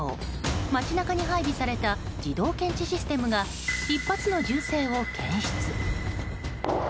街中に配備された自動検知システムが１発の銃声を検出。